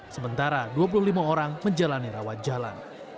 sementara dua puluh lima orang menjalani rawat jalan